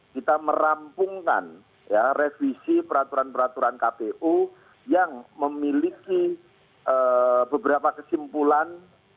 kita merampungkan revisi peraturan peraturan kpu yang memiliki beberapa kesimpulan